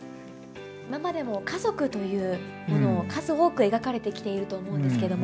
今までも家族というものを数多く描かれてきていると思うんですけれども。